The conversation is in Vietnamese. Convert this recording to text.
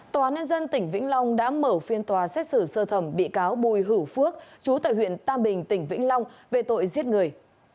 tòa án nhân dân tỉnh vĩnh long đã mở phiên tòa xét xử sơ thẩm bị cáo bùi hữu phước chú tại huyện tam bình tỉnh vĩnh long về tội giết người